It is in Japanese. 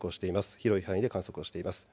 広い範囲で観測をしています。